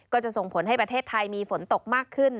ก็จะส่งผลให้ประเทศไทยมีฝนตกมากขึ้น